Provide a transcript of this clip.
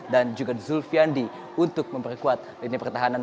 dan juga zulfiandi untuk memperkuat lini pertahanan